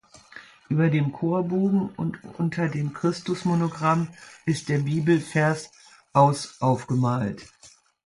Über dem Chorbogen und unter dem Christusmonogramm ist der Bibelvers aus aufgemalt.